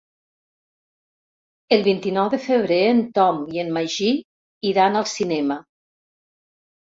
El vint-i-nou de febrer en Tom i en Magí iran al cinema.